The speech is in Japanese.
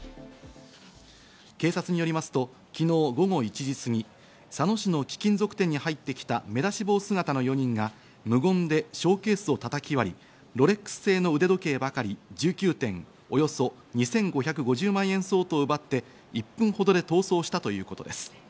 警察によりますと昨日午後１時すぎ、佐野市の貴金属店に入ってきた目出し帽姿の４人が無言でショーケースを叩き割り、ロレックス製の腕時計ばかり１９点、およそ２５５０万円相当を奪って１分ほどで逃走したということです。